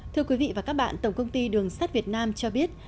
thưa quý vị và các bạn tổng công ty đường sắt việt nam cho biết